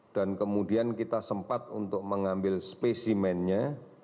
kemudian kita sempat untuk mengambil spesimennya